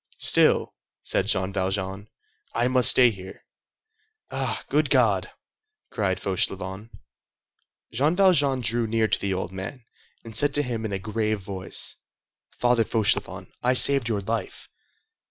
"Still," said Jean Valjean, "I must stay here." "Ah, good God!" cried Fauchelevent. Jean Valjean drew near to the old man, and said to him in a grave voice:— "Father Fauchelevent, I saved your life."